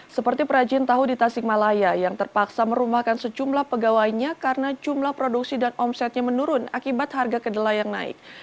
seperti perajin tahu di tasikmalaya yang terpaksa merumahkan sejumlah pegawainya karena jumlah produksi dan omsetnya menurun akibat harga kedelai yang naik